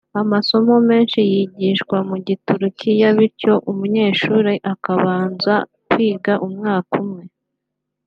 Amasomo menshi yigishwa mu Giturukiya bityo umunyeshuri akaba abanza kwiga umwaka umwe